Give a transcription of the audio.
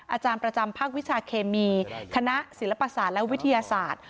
อาจารย์ประจำภาควิชาเคมีคณะศิลปศาสตร์และวิทยาศาสตร์